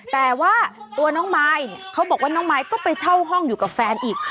แต่ว่าตัวน้องมายเนี่ยเขาบอกว่าน้องมายก็ไปเช่าห้องอยู่กับแฟนอีก